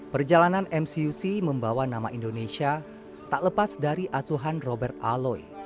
perjalanan mcuc membawa nama indonesia tak lepas dari asuhan robert aloy